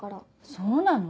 そうなの？